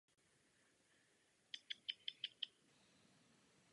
Útočily i proti Maltě.